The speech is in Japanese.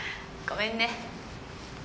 ごめんね。